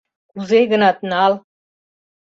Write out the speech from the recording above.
Кузе-гынат нал!..